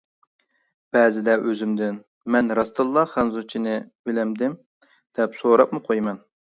بەزىدە ئۆزۈمدىن «مەن راستتىنلا خەنزۇچىنى بىلەمدىم» دەپ سوراپمۇ قويىمەن.